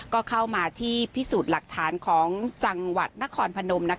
ก็เข้ามาที่พิสูจน์หลักฐานของจังหวัดนครพนม